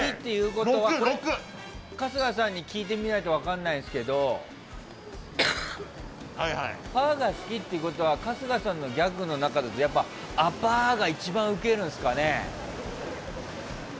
春日さんに聞いてみないと分からないですけどパーが好きってことは春日さんのギャグの中だとやっぱ、アパー！が一番ウケるんですかね。